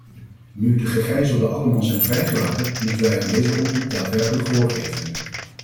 Nu de gegijzelden allemaal zijn vrijgelaten, moeten wij aan deze oproep daadwerkelijk gehoor geven.